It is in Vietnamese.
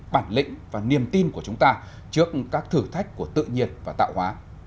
bản lĩnh và niềm tin của chúng ta trước các thử thách của tự nhiên và tạo hóa